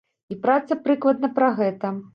І праца прыкладна пра гэта.